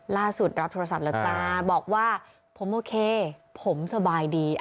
รับโทรศัพท์แล้วจ้าบอกว่าผมโอเคผมสบายดี